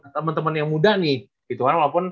temen temen yang muda nih gitu kan walaupun